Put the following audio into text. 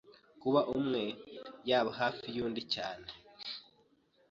Kuba umwe yaba hafi y’undi cyane